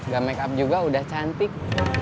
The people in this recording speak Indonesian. gak make up juga udah cantik